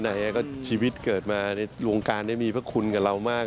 ไหนก็ชีวิตเกิดมาในวงการได้มีพระคุณกับเรามาก